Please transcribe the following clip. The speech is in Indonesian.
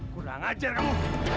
kurang ajar kamu